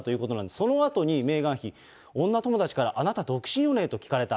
そのあとにメーガン妃、女友達から、あなた独身よね？と聞かれた。